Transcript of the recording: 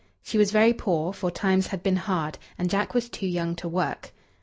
She was very poor, for times had been hard, and Jack was too young to work.